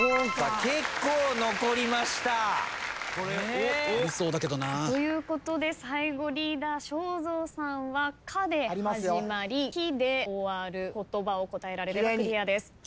ありそうだけどな。ということで最後リーダー正蔵さんは「か」で始まり「き」で終わる言葉を答えられればクリアです。